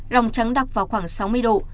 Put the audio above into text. ròng trắng đặc vào khoảng sáu mươi độ